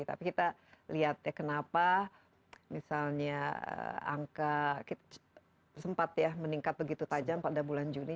tapi kita lihat ya kenapa misalnya angka sempat ya meningkat begitu tajam pada bulan juni